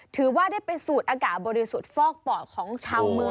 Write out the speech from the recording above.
ถือว่าได้ไปสูดอากาศบริสุทธิ์ฟอกปอดของชาวเมือง